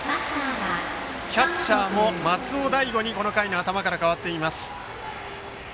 キャッチャーも松尾大悟にこの回の頭から代わっています。